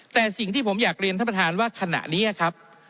แต่สิ่งที่ผมอยากเรียนท่านประธานว่าขณะนี้ครับ